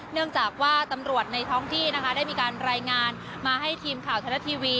เนื่องจากว่าตำรวจในท้องที่นะคะได้มีการรายงานมาให้ทีมข่าวไทยรัฐทีวี